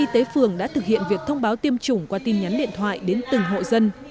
thường đã thực hiện việc thông báo tiêm chủng qua tin nhắn điện thoại đến từng hội dân